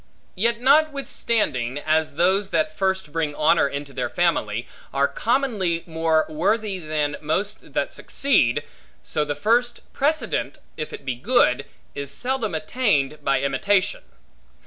Yet notwithstanding, as those that first bring honor into their family, are commonly more worthy than most that succeed, so the first precedent (if it be good) is seldom attained by imitation.